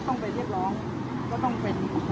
ตอนนี้กำหนังไปคุยของผู้สาวว่ามีคนละตบ